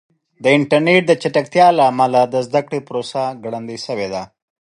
د انټرنیټ د چټکتیا له امله د زده کړې پروسه ګړندۍ شوې ده.